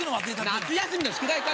夏休みの宿題か！